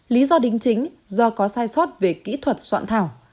lý do đính chính do có sai sót về kỹ thuật soạn thảo